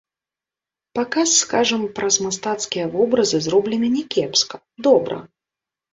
Паказ, скажам, праз мастацкія вобразы зроблены не кепска, добра.